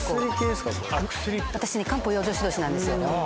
私ね漢方養生指導士なんですよ